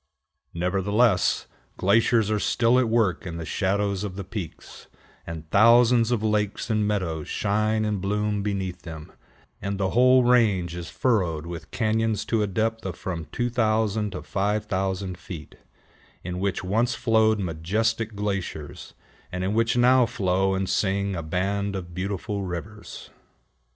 Nevertheless, glaciers are still at work in the shadows of the peaks, and thousands of lakes and meadows shine and bloom beneath them, and the whole range is furrowed with cañons to a depth of from 2000 to 5000 feet, in which once flowed majestic glaciers, and in which now flow and sing a band of beautiful rivers.